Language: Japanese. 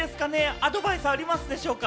アドバイスありますでしょうか？